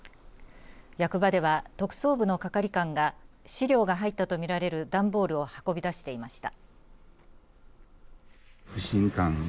役場では特捜部の係官が資料が入ったと見られる段ボールを運び出していました。